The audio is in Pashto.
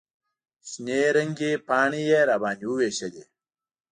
شنې رنګې پاڼې یې راباندې ووېشلې.